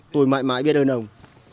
tôi mãi mãi biết ơn ông